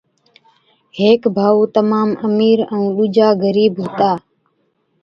ھيڪ ڀائُو تمام امير ائُون ڏُوجا غرِيب ھُتا